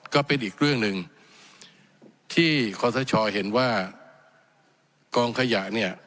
ก็เป็นอีกเรื่องหนึ่งที่ขอสชเห็นว่ากองขยะเนี่ย